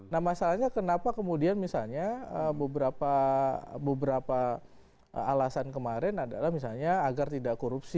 nah masalahnya kenapa kemudian misalnya beberapa alasan kemarin adalah misalnya agar tidak korupsi